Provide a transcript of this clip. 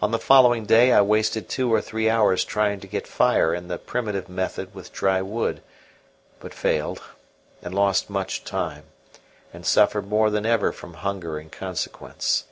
On the following day I wasted two or three hours trying to get fire in the primitive method with dry wood, but failed, and lost much time, and suffered more than ever from hunger in consequence.